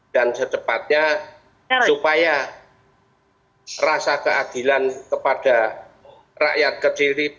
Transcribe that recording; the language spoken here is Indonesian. dan secepatnya supaya rasa keadilan kepada rakyat kecil ini